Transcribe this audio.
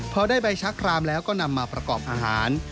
พอได้ใบชักครามแล้วก็นำมาประกอบอาหาร